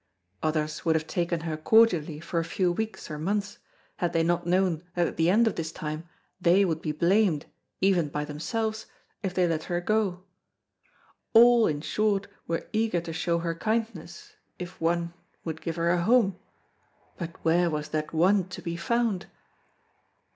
Others would have taken her cordially for a few weeks or months, had they not known that at the end of this time they would be blamed, even by themselves, if they let her go. All, in short, were eager to show her kindness if one would give her a home, but where was that one to be found?